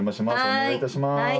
お願いいたします。